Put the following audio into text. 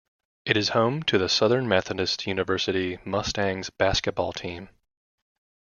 It is home to the Southern Methodist University Mustangs basketball team.